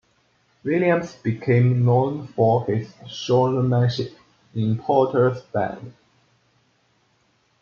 Williams became known for his showmanship in Porter's band.